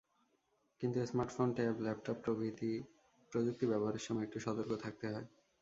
কিন্তু smartphone, tab, laptop প্রভৃতি প্রযুক্তি ব্যবহারের সময় একটু সতর্ক থাকতে হয়।